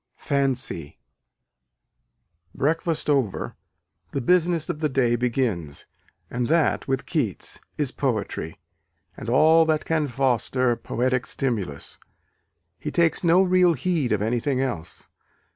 Fancy. Breakfast over, the business of the day begins: and that, with Keats, is poetry, and all that can foster poetic stimulus. He takes no real heed of anything else.